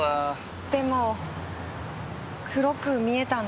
でも黒く見えたんです。